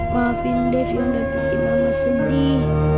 maafin dev yang udah bikin mama sedih